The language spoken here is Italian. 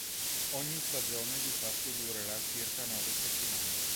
Ogni stagione di fatto durerà circa nove settimane.